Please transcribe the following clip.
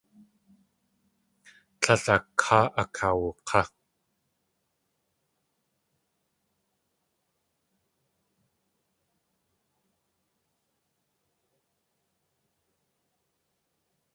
Tlél a káa akawuk̲á.